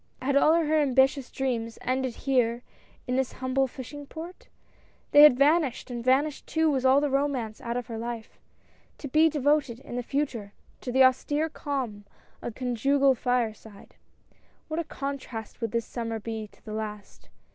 Had all her ambitious dreams ended here in this humble fishing port? They had vanished — and vanished too, was all romance out of her life — to be devoted, in the future, to the austere calm of the con jugal fireside. What a contrast would this summer be to the last.